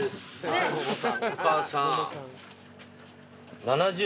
お母さん。